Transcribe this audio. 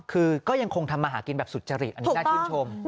คือก็ยังคงทำมาหากินแบบสุจริตอันนี้น่าชื่นชม